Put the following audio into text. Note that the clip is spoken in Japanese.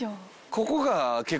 ここが結構大事。